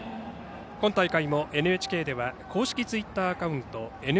今大会もＮＨＫでは公式ツイッターアカウント